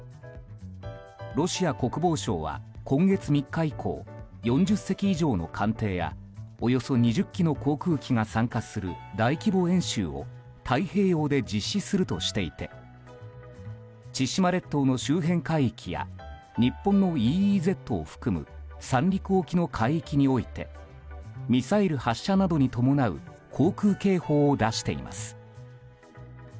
ロシア国防省は、今月３日以降４０隻以上の艦艇やおよそ２０機の航空機が参加する大規模演習を太平洋で実施するとしていて千島列島の周辺海域や日本のＥＥＺを含む三陸沖の海域においてミサイル発射などに伴う航空警報を出しています。